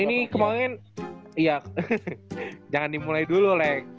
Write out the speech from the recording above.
ini kemaren iya jangan dimulai dulu leng